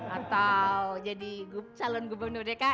atau jadi calon gubernur dki